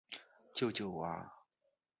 救救我啊！